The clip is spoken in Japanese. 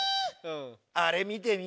あれ見てみ。